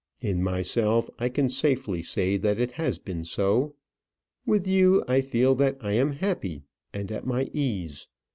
"In myself, I can safely say that it has been so. With you, I feel that I am happy, and at my ease.